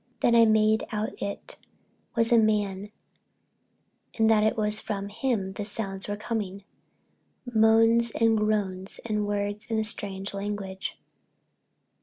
Then I made out it was a man and that it was from him the sounds were coming—moans and groans and words in a strange language.